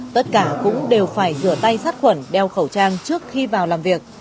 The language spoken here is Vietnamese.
tất cả cũng đều phải rửa tay sát khuẩn đeo khẩu trang trước khi vào làm việc